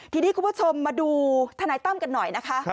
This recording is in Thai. ทีนี้คุณผู้ชมมาดูทนายตั้มกันหน่อยนะคะ